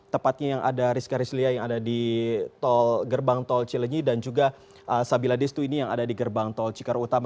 tepatnya yang ada rizka rizlia yang ada di gerbang tol cilenyi dan juga sabila destu ini yang ada di gerbang tol cikarang utama